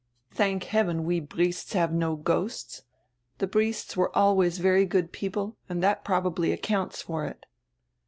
Thank heaven, we Briests have no ghosts. The Briests were always very good people and diat probably accounts for it."